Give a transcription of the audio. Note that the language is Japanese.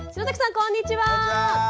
こんにちは。